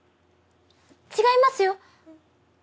違いますよ。